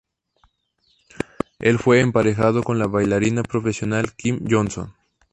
El fue emparejado con la bailarina profesional Kym Johnson.